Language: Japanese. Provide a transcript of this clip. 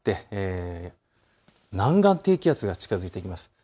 南岸低気圧が近づいてきます。